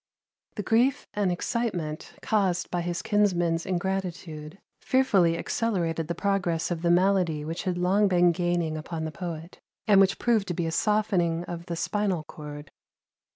The grief and excitement caused by his kinsman's ingratitude fearfully accelerated the progress of the malady which had long been gaining upon the poet, and which proved to be a softening of the spinal cord.